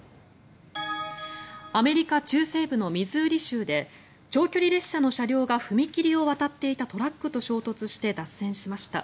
アメリカ中西部のミズーリ州で長距離列車の車両が踏切を渡っていたトラックと衝突して、脱線しました。